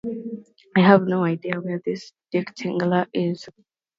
I have no idea where this Dick Tingeler is!